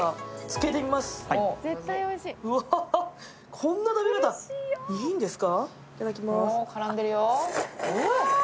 こんな食べ方、いいんですか？